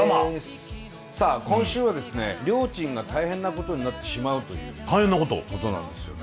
さあ今週はですねりょーちんが大変なことになってしまうということなんですよね。